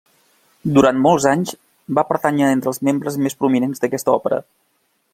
Durant molts anys va pertànyer entre els membres més prominents d'aquesta òpera.